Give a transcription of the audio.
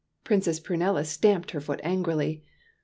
Princess Prunella stamped her foot angrily.